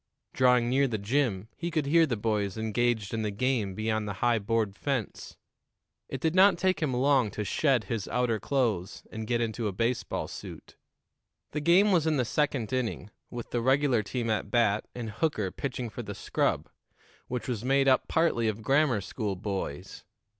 Drawing near the gym, he could hear the boys engaged in the game beyond the high board fence. It did not take him long to shed his outer clothes and get into a baseball suit. The game was in the second inning, with the regular team at bat and Hooker pitching for the scrub, which was made up partly of grammar school boys.